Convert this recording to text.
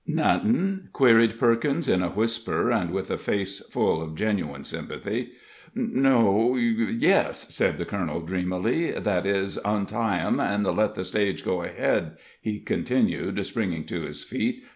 "Nothin'?" queried Perkins, in a whisper, and with a face full of genuine sympathy. "No yes," said the colonel, dreamily. "That is, untie em and let the stage go ahead," he continued, springing to his feet.